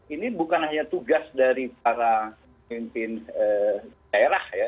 ini bukan hanya tugas dari para pemimpin daerah ya